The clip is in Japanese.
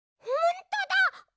ほんとだ！